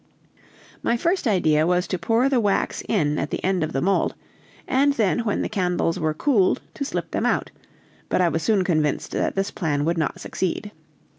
My first idea was to pour the wax in at the end of the mold, and then when the candles were cooled to slip them out; but I was soon convinced that this plan would not succeed.